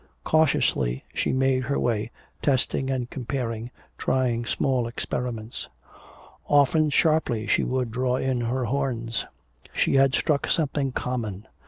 Cautiously she made her way, testing and comparing, trying small experiments. Often sharply she would draw in her horns. She had struck something "common!"